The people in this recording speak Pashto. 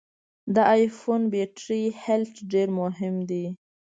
د ای فون بټري هلټ ډېر مهم دی.